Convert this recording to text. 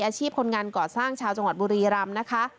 คนงานก่อสร้างชาวจังหวัดบุรีรำนะคะ